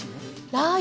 ラー油。